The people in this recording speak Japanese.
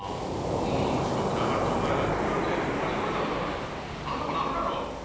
面白くなかったお前が努力でここまで来れたんだから何とかなるだろう！